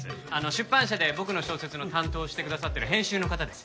出版社で僕の小説の担当をしてくださっている編集の方です。